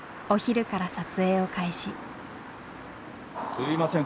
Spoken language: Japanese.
すみません。